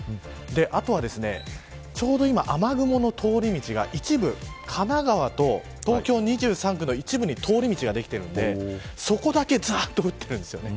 あとはちょうど今、雨雲の通り道が一部、神奈川と東京２３区の一部に通り道ができているのでそこだけざあっと降ってるんですよね。